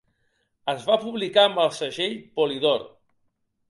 Es va publicar amb el segell Polydor.